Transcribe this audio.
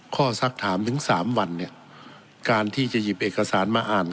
สักถามถึงสามวันเนี่ยการที่จะหยิบเอกสารมาอ่าน